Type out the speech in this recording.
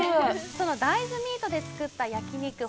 その大豆ミートで作った焼肉